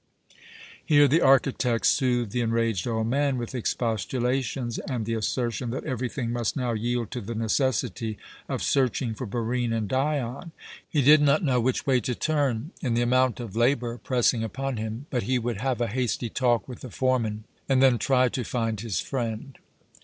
Here the architect soothed the enraged old man with expostulations, and the assertion that everything must now yield to the necessity of searching for Barine and Dion. He did not know which way to turn, in the amount of labour pressing upon him, but he would have a hasty talk with the foreman and then try to find his friend.